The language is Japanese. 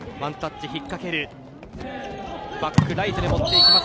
バックライトに持っていきます。